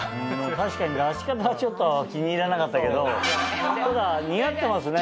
確かに出し方はちょっと気に入らなかったけどただ似合ってますね。